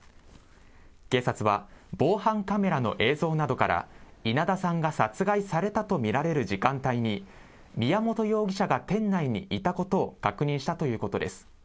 警察は防犯カメラの映像などから、稲田さんが殺害されたと見られる時間帯に、宮本容疑者が店内にいたことを確認したということです。